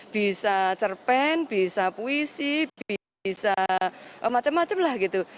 bisa cerpen bisa puisi bisa macam macam lah gitu